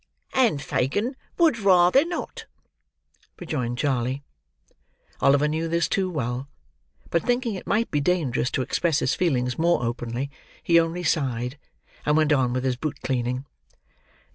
"And Fagin would rather not!" rejoined Charley. Oliver knew this too well; but thinking it might be dangerous to express his feelings more openly, he only sighed, and went on with his boot cleaning.